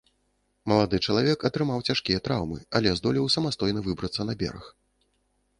Малады чалавек атрымаў цяжкія траўмы, але здолеў самастойна выбрацца на бераг.